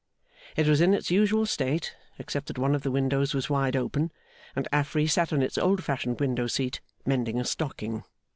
It was in its usual state; except that one of the windows was wide open, and Affery sat on its old fashioned window seat, mending a stocking.